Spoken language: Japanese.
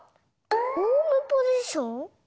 ホームポジション？